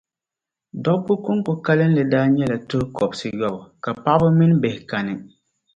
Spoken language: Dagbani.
dɔbba kɔŋko kalinli daa nyɛla tuh’ kɔbisiyɔbu, ka paɣiba mini bihi kani.